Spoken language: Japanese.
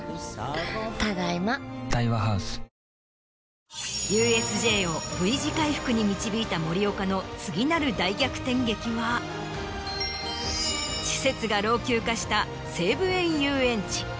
ただいま。に導いた森岡の次なる大逆転劇は施設が老朽化した西武園ゆうえんち。